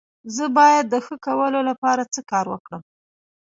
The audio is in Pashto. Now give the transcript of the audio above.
زه باید د ښه کولو لپاره څه کار وکړم؟